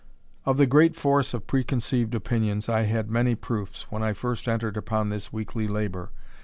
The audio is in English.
Of the great force of preconceived opinions I had many proofs, when I first entered upon this weekly labour.